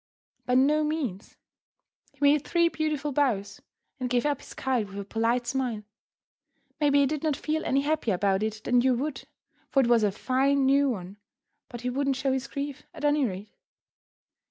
By no means! He made three beautiful bows and gave up his kite with a polite smile. Maybe he did not feel any happier about it than you would, for it was a fine new one, but he wouldn't show his grief, at any rate.